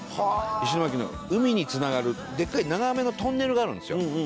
石巻の海につながるでっかい長めのトンネルがあるんですよ。